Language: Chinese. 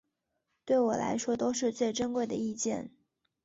对我来说都是最珍贵的意见